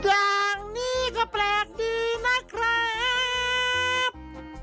อย่างนี้ก็แปลกดีนะครับ